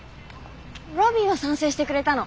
ロビーは賛成してくれたの。